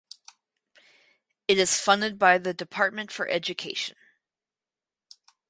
It is funded by the Department for Education.